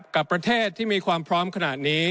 กับประเทศที่มีความพร้อมขนาดนี้